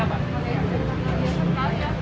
ya seperti itu